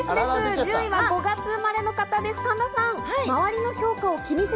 １０位は５月生まれの方、神田さん。